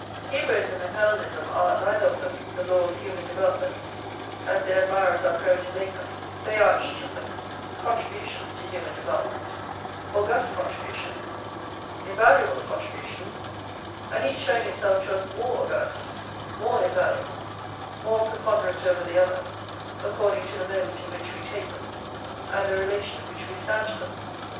Hebraism and Hellenism are, neither of them, the law of human development, as their admirers are prone to make them; they are, each of them, contributions to human development, august contributions, invaluable contributions; and each showing itself to us more august, more invaluable, more preponderant over the other, according to the moment in which we take them, and the relation in which we stand to them.